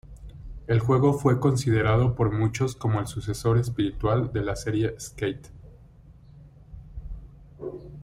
El juego fue considerado por muchos como el sucesor espiritual de la serie "Skate".